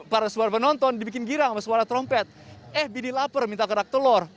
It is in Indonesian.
para suara penonton dibikin girang sama suara trompet eh biddil laper minta kerak telur